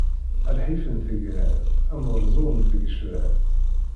A lḥif n tegrar, ameṛṛẓu n tgecrar!